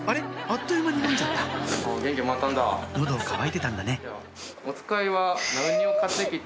あっという間に飲んじゃった喉渇いてたんだね